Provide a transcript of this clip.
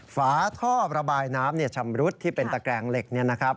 ฝาท่อระบายน้ำชำรุดที่เป็นตะแกรงเหล็ก